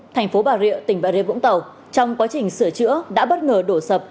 thành phố bà rịa tỉnh bà rê vũng tàu trong quá trình sửa chữa đã bất ngờ đổ sập